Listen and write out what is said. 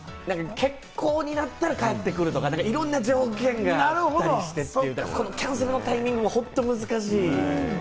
欠航になったら返ってくるとか、いろんな条件があったりして、キャンセルのタイミングも本当難しい。